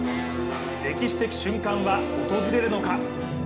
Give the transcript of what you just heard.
歴史的瞬間は訪れるのか。